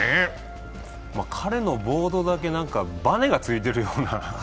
彼のボードだけ、バネがついてるような。